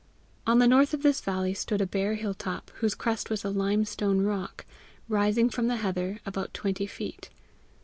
On the north of this valley stood a bare hilltop, whose crest was a limestone rock, rising from the heather about twenty feet.